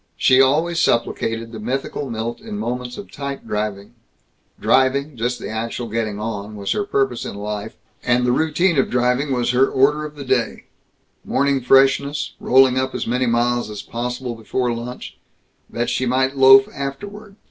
She always supplicated the mythical Milt in moments of tight driving. Driving, just the actual getting on, was her purpose in life, and the routine of driving was her order of the day: Morning freshness, rolling up as many miles as possible before lunch, that she might loaf afterward.